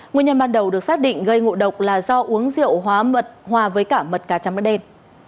nguyên nhân ban đầu được xác định gây ngộ độc là do uống rượu hóa mật hòa với cả mật cá trăm đen